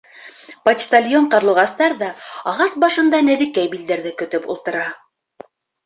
Почтальон ҡарлуғастар ҙа ағас башында нәҙекәй билдәрҙе көтөп ултыра.